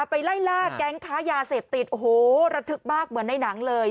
ไปไล่ล่าแก๊งค้ายาเสพติดโอ้โหระทึกมากเหมือนในหนังเลย